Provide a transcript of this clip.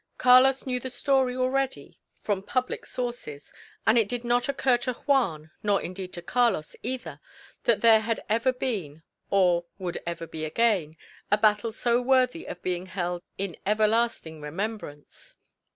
Carlos knew the story already from public sources. And it did not occur to Juan, nor indeed to Carlos either, that there had ever been, or would ever be again, a battle so worthy of being held in everlasting remembrance.